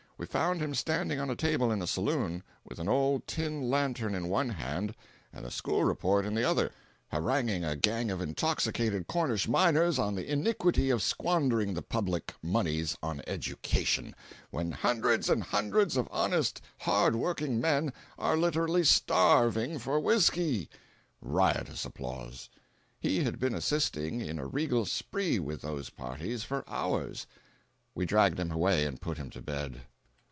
We found him standing on a table in a saloon, with an old tin lantern in one hand and the school report in the other, haranguing a gang of intoxicated Cornish miners on the iniquity of squandering the public moneys on education "when hundreds and hundreds of honest hard working men are literally starving for whiskey." [Riotous applause.] He had been assisting in a regal spree with those parties for hours. We dragged him away and put him to bed.